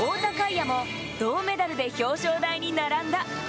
也も銅メダルで表彰台に並んだ。